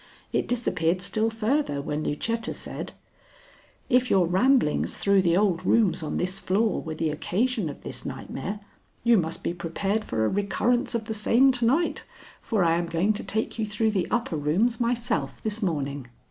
It disappeared still further when Lucetta said: "If your ramblings through the old rooms on this floor were the occasion of this nightmare, you must be prepared for a recurrence of the same to night, for I am going to take you through the upper rooms myself this morning.